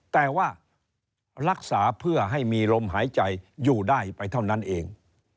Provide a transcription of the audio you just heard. แต่ว่ารักษาเพื่อให้มีลมหายใจอยู่ได้ไปเท่านั้นเอง